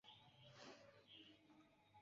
En mezo de la konstruaĵo estas interna korto.